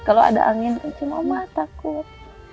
kalau ada angin cuma mama takut